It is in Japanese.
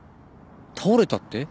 倒れたって！？